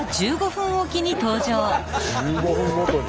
１５分ごとに。